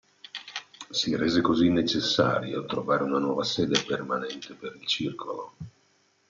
Si rese così necessario trovare una nuova sede permanente per il circolo.